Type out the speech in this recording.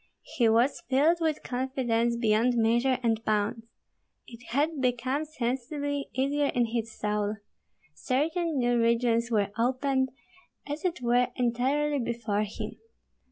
He was filled with confidence beyond measure and bounds. It had become sensibly easier in his soul. Certain new regions were opened as it were entirely before him.